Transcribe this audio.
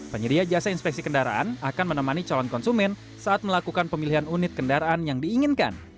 penyedia jasa inspeksi kendaraan akan menemani calon konsumen saat melakukan pemilihan unit kendaraan yang diinginkan